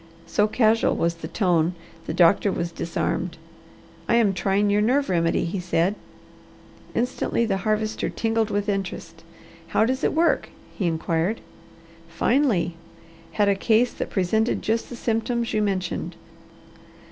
So casual was the tone the doctor was disarmed. "I am trying your nerve remedy," he said. Instantly the Harvester tingled with interest. "How does it work?" he inquired. "Finely! Had a case that presented just the symptoms you mentioned.